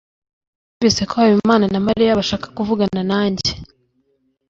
Numvise ko Habimana na Mariya bashaka kuvugana nanjye.